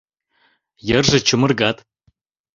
Йырже чумыргат.